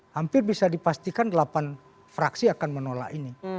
hampir bisa dipastikan delapan fraksi akan menolak ini